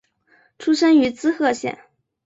出身于滋贺县。